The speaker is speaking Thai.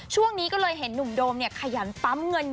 ช่วงนี้ก็เลยเห็นหนุ่มโดมขยันปั๊มเงิน